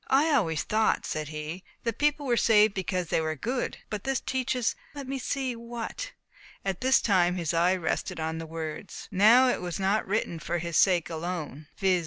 "I always thought," said he, "that people were saved because they were good. But this teaches, let me see what," at this time his eye rested on the words, "Now it was not written for his sake alone (viz.